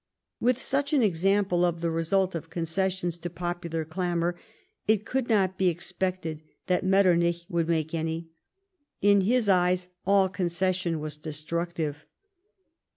With such an example of the result of concessions to popular clamour it could not be expected that Metternich woukl make any. In his eyes all concession was destructive.